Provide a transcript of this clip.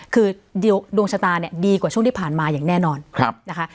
คือดวงชะตาเนี่ยดีกว่าช่วงที่ผ่านมาอย่างแน่นอนนะคะ